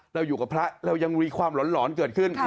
เราอยู่กับพระเรายังมีความหลอนเกิดขึ้น